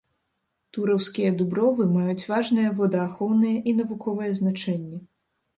Тураўскія дубровы маюць важнае водаахоўнае і навуковае значэнне.